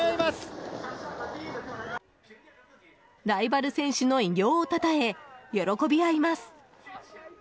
ライバル選手の偉業をたたえ喜び合います。